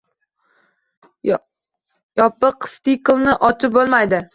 Yopiq tsiklni ochib bo'lmaydi